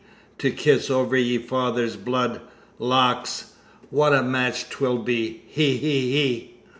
To kiss over yer father's blood! Lawks! what a match 'twill be! He! he!"